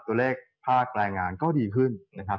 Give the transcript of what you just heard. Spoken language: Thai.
ตัวเลขภาคแรงงานก็ดีขึ้นนะครับ